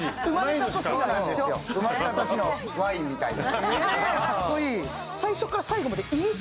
生まれた年のワインみたいな。